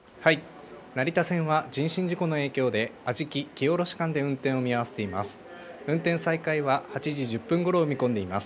成田線は人身事故の影響で安食・木下間で運転を見合わせています。